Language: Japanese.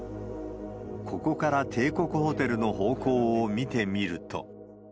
ここから帝国ホテルの方向を見てみると。